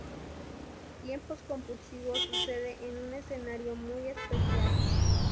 Tiempos compulsivos sucede en un escenario muy especial.